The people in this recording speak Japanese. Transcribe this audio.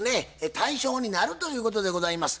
対象になるということでございます。